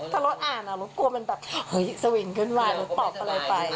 ถ้ารถอ่านอ่ะเรากลัวมันแบบสวินขึ้นมาแล้วตอบอะไรไป